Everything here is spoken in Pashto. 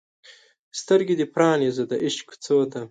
سترګې دې پرانیزه د عشق کوڅو ته